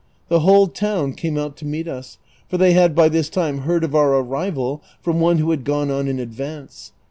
The whole town came out to meet us, for they had by this time heard of our arrival from one who had gone on in advance.